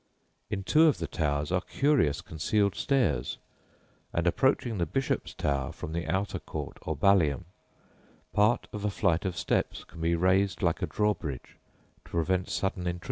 In two of the towers are curious concealed stairs, and approaching "the Bishop's Tower" from the outer court or ballium, part of a flight of steps can be raised like a drawbridge to prevent sudden intrusion.